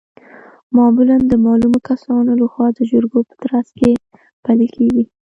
معمولا د معلومو کسانو لخوا د جرګو په ترڅ کې پلي کیږي.